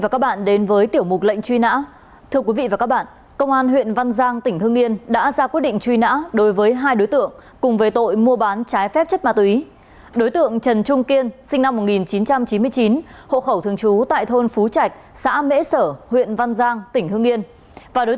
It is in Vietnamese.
cảm ơn quý vị và các bạn đã dành thời gian quan tâm theo dõi